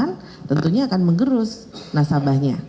yang merasa nyaman tentunya akan mengerus nasabahnya